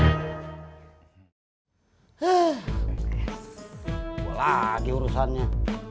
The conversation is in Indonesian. gua lagi urusannya